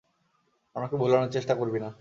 আমাকে ভুলানোর চেষ্টা করবি না।